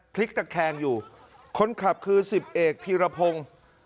พลิกตะแคงอยู่คนขับคือสิบเอกพีรพงศ์